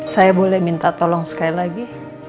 saya boleh minta tolong sekali lagi